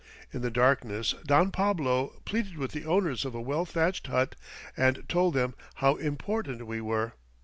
In the darkness Don Pablo pleaded with the owners of a well thatched hut, and told them how "important" we were.